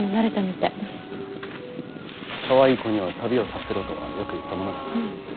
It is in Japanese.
かわいい子には旅をさせろとはよく言ったものだな。